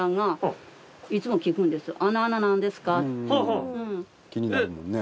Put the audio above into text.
いつも聞くんです。